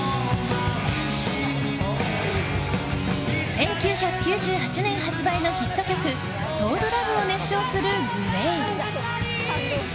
１９９８年発売のヒット曲「ＳＯＵＬＬＯＶＥ」を熱唱するＧＬＡＹ。